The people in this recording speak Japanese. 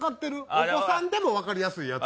お子さんでもわかりやすいやつ。